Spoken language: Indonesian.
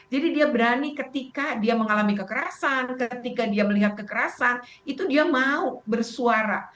jadi dia berani ketika dia mengalami kekerasan ketika dia melihat kekerasan itu dia mau bersuara